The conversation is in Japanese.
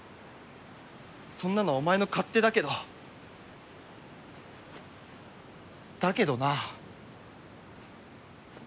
そんなのはお前の勝手だけどだけどな。